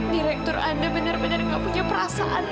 direktur anda benar benar nggak punya perasaan ya pak